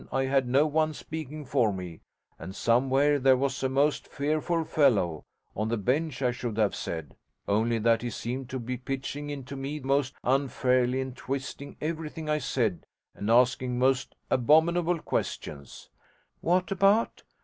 I had no one speaking for me, and somewhere there was a most fearful fellow on the bench; I should have said, only that he seemed to be pitching into me most unfairly, and twisting everything I said, and asking most abominable questions.' 'What about?'